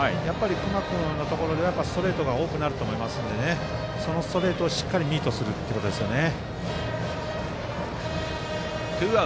隈君のところではストレートが多くなると思いますのでそのストレートをしっかりミートすることですよね。